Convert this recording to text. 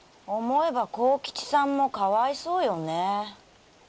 思えば幸吉さんもかわいそうよね。